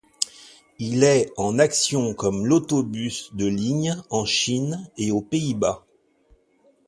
Il est en action comme l'autobus de lignes en Chine et aux Pays-Bas.